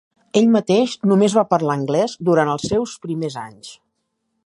Ell mateix només va parlar anglès durant els seus primers anys.